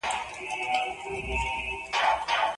خیر محمد د موټر د چلوونکي څخه هیڅ تمه نه لرله.